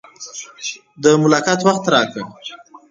ملاقات وخت راکړ.